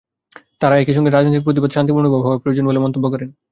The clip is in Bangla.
তাঁরা একই সঙ্গে রাজনৈতিক প্রতিবাদ শান্তিপূর্ণভাবে হওয়া প্রয়োজন বলে মন্তব্য করেন।